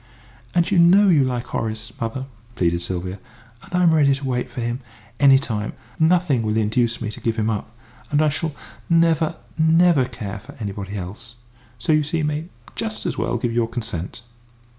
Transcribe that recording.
"And you know you like Horace, mother!" pleaded Sylvia. "And I'm ready to wait for him, any time. Nothing will induce me to give him up, and I shall never, never care for anybody else. So you see you may just as well give us your consent!"